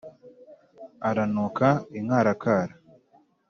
a ranuka inkarakara